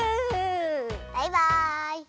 バイバイ！